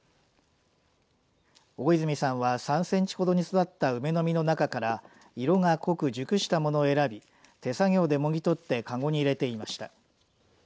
大泉さんは３センチほどに育った梅の実の中から色が濃く熟したものを選び手作業でもぎ取ってかごに入れていました。